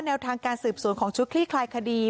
แนวทางสืบสวนของชุกฤต์ที่คลายคดี